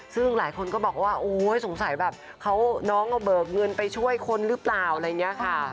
ซึ่งหลายคนก็บอกว่าโอ๊ยสงสัยแบบน้องเอาเบิกเงินไปช่วยคนหรือเปล่าอะไรอย่างนี้ค่ะ